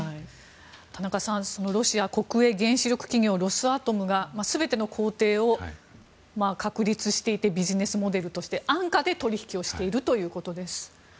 田中さんそのロシア国営原子力企業ロスアトムが全ての工程を確立していてビジネスモデルとして安価で取引をしているということです。